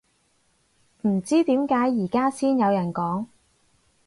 唔知點解而家先有人講